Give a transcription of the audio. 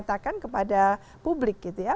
katakan kepada publik gitu ya